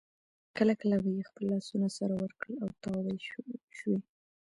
کله کله به یې خپل لاسونه سره ورکړل او تاو به شوې.